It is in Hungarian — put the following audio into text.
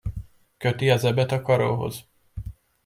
Köti az ebet a karóhoz.